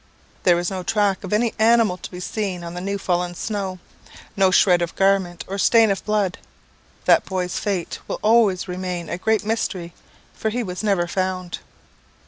There was no track of any animal to be seen on the new fallen snow no shred of garment, or stain of blood. That boy's fate will always remain a great mystery, for he was never found."